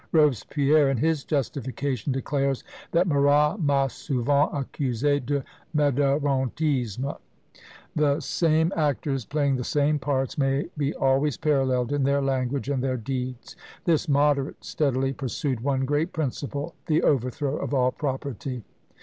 Robespierre, in his justification, declares that Marat "m'a souvent accusé de Modérantisme." The same actors, playing the same parts, may be always paralleled in their language and their deeds. This "Moderate" steadily pursued one great principle the overthrow of all property.